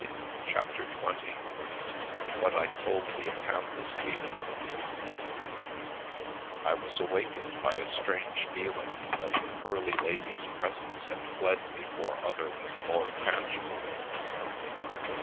»*> CHAPTER XX WHAT I TOLD THE ACANTHUS LEAF 1WAS awakened by a strange feeling that the pearly lady's presence had fled before other and more tan gible ones.